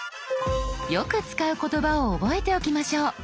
よく使う言葉を覚えておきましょう。